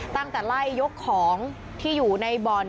ตั้งแต่ไล่ยกของที่อยู่ในบ่อน